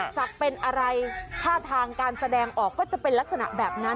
จากเป็นอะไรท่าทางการแสดงออกก็จะเป็นลักษณะแบบนั้น